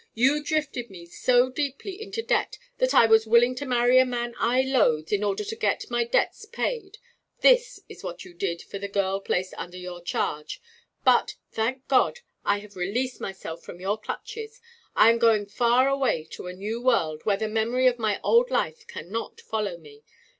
You drifted me so deeply into debt that I was willing to marry a man I loathed in order to get my debts paid. This is what you did for the girl placed under your charge. But, thank God, I have released myself from your clutches. I am going far away to a new world, where the memory of my old life cannot follow me.